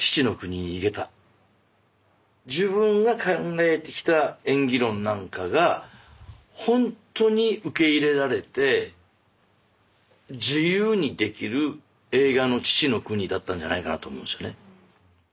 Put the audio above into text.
自分が考えてきた演技論なんかがほんとに受け入れられて自由にできる映画の父の国だったんじゃないかなと思うんですよね。